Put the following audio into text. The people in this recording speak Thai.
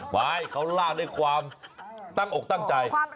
ว้ายเขาลากได้ความตั้งอกตั้งใจ